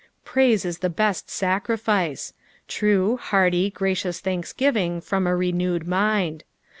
Praise is the best socrifiee ; true, faearty, gracious thanksgiving from a renewed mind.